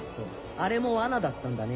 あれも罠だったんだね。